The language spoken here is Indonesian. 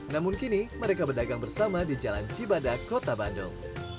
namun kini mereka berdagang bersama di jalan cibadak kota bandung